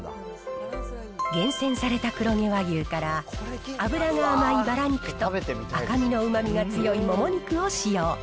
厳選された黒毛和牛から脂が甘いバラ肉と、赤身のうまみが強いモモ肉を使用。